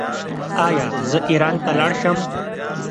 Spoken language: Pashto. ایا زه ایران ته لاړ شم؟